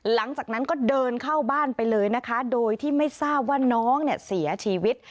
หลังจากนั้นก็เดินเข้าบ้านไปเลยนะคะโดยที่ไม่ทราบว่าน้องเนี่ยเสียชีวิต